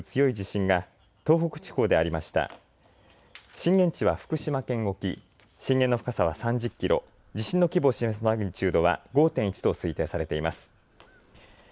震源地は福島県沖、震源の深さは３０キロ、地震の規模を示すマグニチュードは５．１と推定されています。